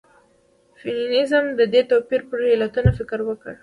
فيمنيزم د دې توپير پر علتونو فکر وکړ.